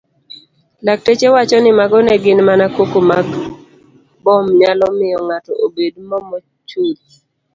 Lakteche wacho nimago negin mana koko magmbom nyalo miyo ng'ato obed momochuth.